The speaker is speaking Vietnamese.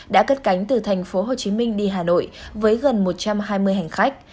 đã cất cánh từ tp hcm đi hà nội với gần một trăm hai mươi hành khách